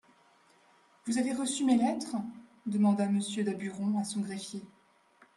Vous avez reçu mes lettres ? demanda Monsieur Daburon à son greffier.